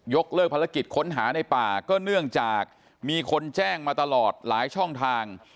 เลิกภารกิจค้นหาในป่าก็เนื่องจากมีคนแจ้งมาตลอดหลายช่องทาง